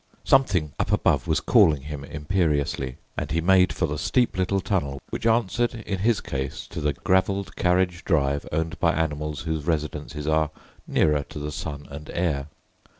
Something up above was calling him imperiously, and he made for the steep little tunnel which answered in his case to the gravelled carriage drive owned by animals whose residences are nearer to the sun and air.